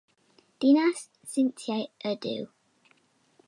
Dinas seintiau ydyw.